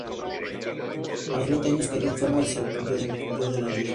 A los veinte años cayó enfermo y se cubrió de lepra.